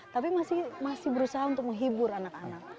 tapi masih berusaha untuk menghibur anak anak